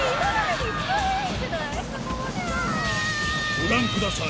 ご覧ください